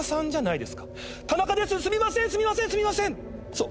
そう。